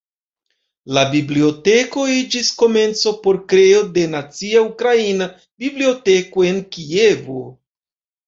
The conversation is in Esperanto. La biblioteko iĝis komenco por kreo de Nacia Ukraina Biblioteko en Kievo.